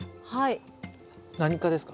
何科ですか？